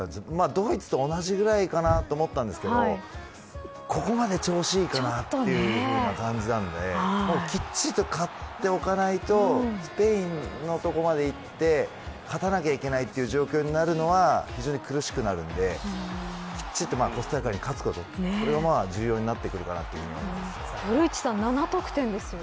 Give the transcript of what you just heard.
ドイツと同じぐらいかなと思いましたがここまで調子いいかなという感じなのできっちりと勝っておかないとスペインのところまでいって勝たなきゃいけない状況になるのは非常に苦しくなるのできっちりとコスタリカに勝つことがこれ重要になってくると古市さん、７得点ですよ。